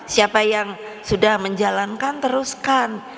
siapa yang sudah menjalankan teruskan